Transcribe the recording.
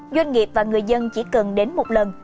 doanh nghiệp và người dân chỉ cần đến một lần